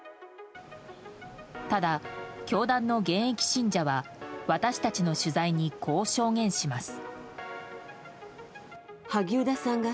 ただ、教団の現役信者は私たちの取材にこう証言します。